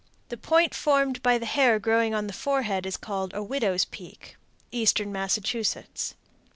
The point formed by the hair growing on the forehead is called "A widow's peak." _Eastern Massachusetts.